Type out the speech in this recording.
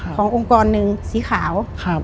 ขององค์กรนึงสีขาว